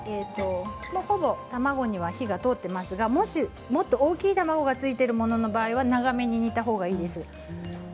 卵には火が通っていますがもし大きい卵がついている場合は長めに煮たほうがいいです。